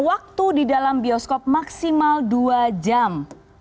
waktu di dalam bioskop maksimal dua jam